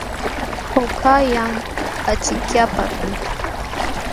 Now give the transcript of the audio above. Hawkallam achikyapaakuu.